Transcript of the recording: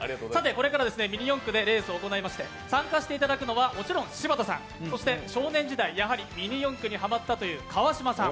これからミニ四駆でレースを行いまして参加していただくのはもちろん柴田さん、そして、少年時代やはりミニ四駆にはまったという川島さん。